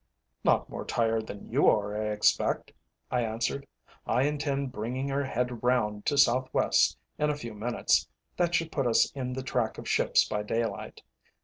"Not more tired than you are, I expect," I answered. "I intend bringing her head round to south west in a few minutes; that should put us in the track of ships by daylight.